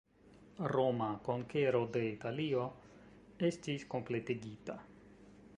Roma konkero de Italio estis kompletigita.